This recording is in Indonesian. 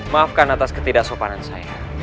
maafkan atas ketidaksopanan saya